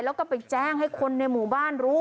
แล้วก็ไปแจ้งให้คนในหมู่บ้านรู้